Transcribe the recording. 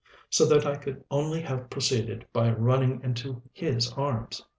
so that I could only have proceeded by running into his arms.